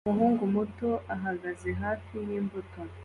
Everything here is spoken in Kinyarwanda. Umuhungu muto ahagaze hafi yimbuto